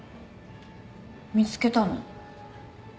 見つけたの？